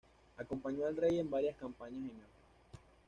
Acompañó al rey en varias campañas en África.